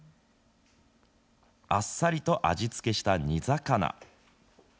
あっさりと味付けした煮魚。